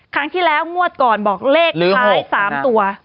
ครั้งที่แล้วงวดก่อนบอกเลขท้าย๓ตัว